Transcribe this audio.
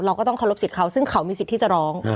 ก็ต้องเคารพสิทธิ์เขาซึ่งเขามีสิทธิ์ที่จะร้อง